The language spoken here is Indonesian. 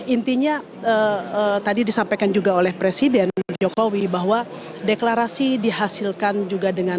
intinya tadi disampaikan juga oleh presiden jokowi bahwa deklarasi dihasilkan juga dengan